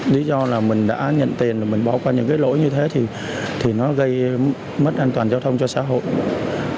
lý do là mình đã nhận tiền mình bỏ qua những cái lỗi như thế thì nó gây mất an toàn giao thông cho xã hội